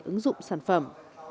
ứng dụng sản phẩm